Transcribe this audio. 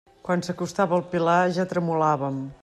Quan s'acostava el Pilar ja tremolàvem.